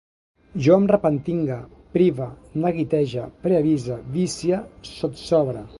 Jo em repantigue, prive, neguitege, preavise, vicie, sotsobre